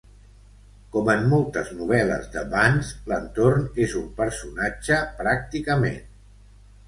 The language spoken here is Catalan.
Com en moltes novel·les de Vance, l'entorn és un personatge pràcticament.